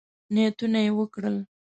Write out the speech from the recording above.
نیتونه یې وکړل.